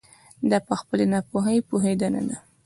دا په خپلې ناپوهي پوهېدنه ده.